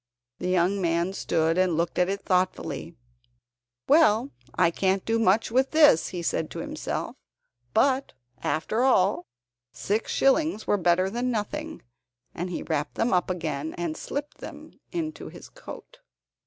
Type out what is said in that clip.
The young man stood and looked at it thoughtfully. "Well, I can't do much with this," he said to himself; but, after all, six shillings were better than nothing, and he wrapped them up again and slipped them into his coat.